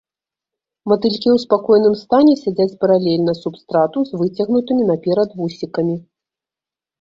Матылькі ў спакойным стане сядзяць паралельна субстрату з выцягнутымі наперад вусікамі.